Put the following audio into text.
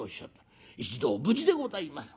『一同無事でございます』